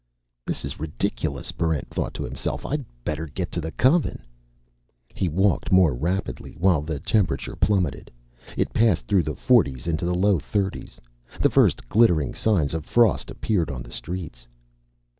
This is ridiculous, Barrent thought to himself. I'd better get to the Coven. He walked more rapidly, while the temperature plummeted. It passed through the forties into the low thirties. The first glittering signs of frost appeared on the streets.